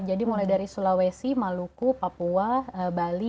jadi mulai dari sulawesi maluku papua bali